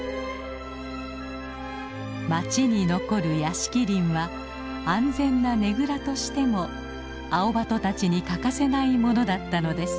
町に残る屋敷林は安全なねぐらとしてもアオバトたちに欠かせないものだったのです。